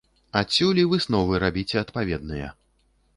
Адсюль і высновы рабіце адпаведныя.